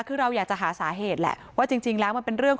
คือเราอยากจะหาสาเหตุแหละว่าจริงแล้วมันเป็นเรื่อง